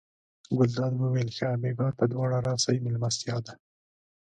ګلداد وویل ښه بېګا ته دواړه راسئ مېلمستیا ده.